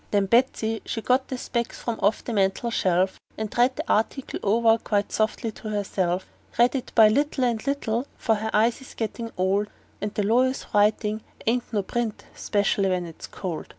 Then Betsey she got her specs from off the mantel shelf, And read the article over quite softly to herself; Read it by little and little, for her eyes is gettin' old, And lawyers' writin' ain't no print, especially when it's cold.